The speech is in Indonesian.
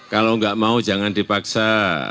kalau nggak mau jangan dipaksa